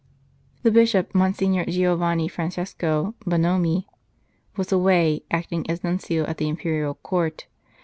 The Bishop, Monsignor Giovanni Francesco Bonomi, was away, acting as Nuncio at the Imperial Court.